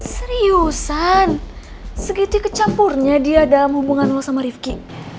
seriusan segitu kecampurnya dia dalam hubungan lo sama rifqi